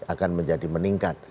akan menjadi meningkat